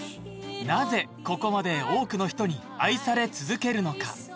なぜここまで多くの人に愛され続けるのか？